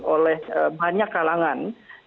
oleh banyak kalangan